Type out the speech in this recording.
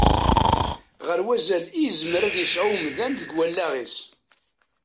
Ɣer wazal i yezmer ad yesɛu umdan deg wallaɣ-is.